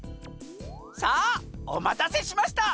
さあおまたせしました！